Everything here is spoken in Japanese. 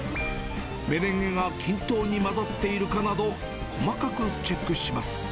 メレンゲが均等に混ざっているかなど、細かくチェックします。